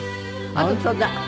本当だ。